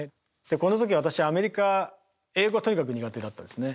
でこの時私アメリカ英語はとにかく苦手だったですね。